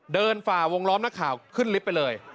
ฝ่าวงล้อมนักข่าวขึ้นลิฟต์ไปเลย